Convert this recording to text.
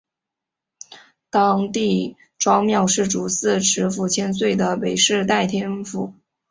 当地庄庙是主祀池府千岁的北势代天府。